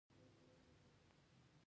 • باران د خلکو د دعاوو نتیجه ده.